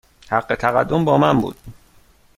حق تقدم با من بود.